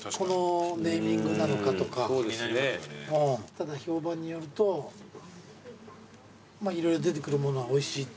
ただ評判によると色々出てくるものはおいしいっていう。